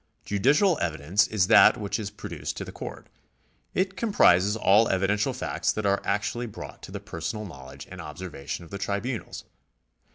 Judicial evidence is that which is produced to the court ; it comprises all evidential facts that are actually brought to the personal knowledge and observation of the tribunals.